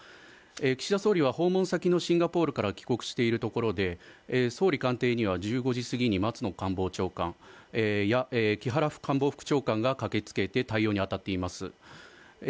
岸田総理は訪問先のシンガポールから帰国しているところで、総理官邸には１５時すぎに松野官房長官や木原官房副長官が駆けつけて対応に当たっています。